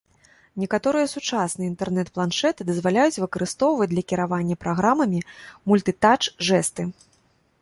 Некаторыя сучасныя інтэрнэт-планшэты дазваляюць выкарыстоўваць для кіравання праграмамі мультытач-жэсты.